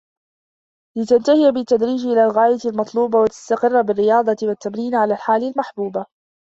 لِتَنْتَهِيَ بِالتَّدْرِيجِ إلَى الْغَايَةِ الْمَطْلُوبَةِ وَتَسْتَقِرُّ بِالرِّيَاضَةِ وَالتَّمْرِينِ عَلَى الْحَالِ الْمَحْبُوبَةِ